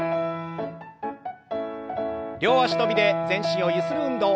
両脚跳びで全身をゆする運動。